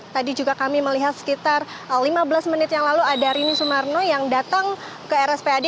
dan juga kami melihat sekitar lima belas menit yang lalu ada rini sumarno yang datang ke rspad